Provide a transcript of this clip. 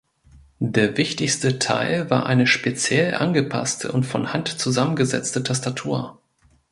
Der wichtigste Teil war eine speziell angepasste und von Hand zusammengesetzte Tastatur.